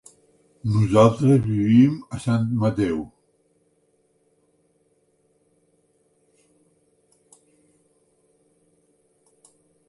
Nosaltres vivim a Sant Mateu.